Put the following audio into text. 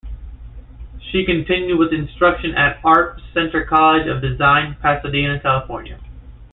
She continued with instruction at Art Center College of Design, Pasadena, California.